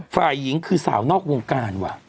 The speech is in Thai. ฝ่ายหญิงคือสาวนอกวงการว่ะ